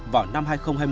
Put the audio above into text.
vào năm hai nghìn hai mươi